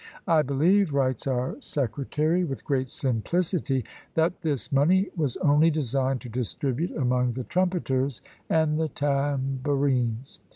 "I believe," writes our secretary with great simplicity, "that this money was only designed to distribute among the trumpeters and the tabourines."